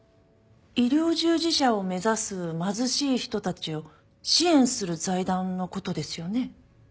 医療従事者を目指す貧しい人たちを支援する財団の事ですよね？